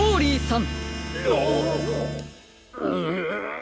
ん！